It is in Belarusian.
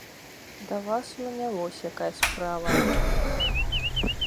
Да вас у мяне вось якая справа.